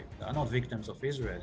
mereka bukan pembunuh dari israel